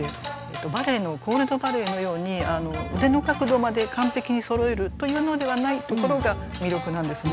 バレエのコール・ド・バレエのように腕の角度まで完璧にそろえるというのではないところが魅力なんですね。